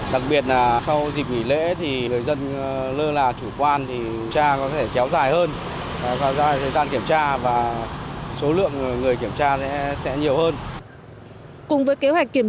đặc biệt là tăng cường xử lý hành vi phạm về nồng độ cồn